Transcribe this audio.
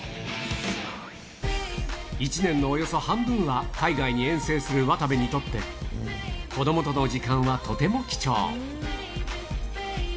１年のおよそ半分は海外に遠征する渡部にとって、子どもとの時間はとても貴重。